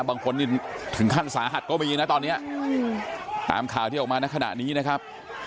บางคนนี่ถึงขั้นสาหัสก็มีนะตอนนี้ตามข่าวที่ออกมาในขณะนี้นะครับ